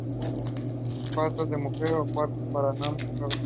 Cuarto de Mujeres: Un cuarto para Nami y Robin.